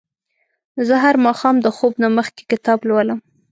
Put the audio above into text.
زه هر ماښام د خوب نه مخکې کتاب لولم.